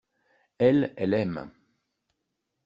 Elle, elle aime.